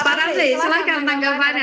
pak ramzi silakan tanggapannya